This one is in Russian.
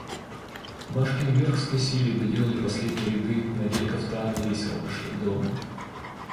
Машкин Верх скосили, доделали последние ряды, надели кафтаны и весело пошли к дому.